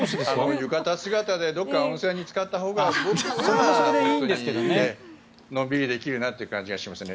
浴衣姿でちょっと温泉につかったほうがのんびりできるなっていう感じがしますね。